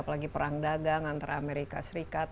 apalagi perang dagang antara amerika serikat